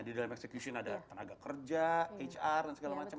di dalam execution ada tenaga kerja hr dan segala macam